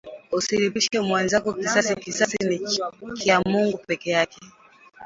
Usilipishe mwenzako kisasi kisasi ni kya Mungu pekeyake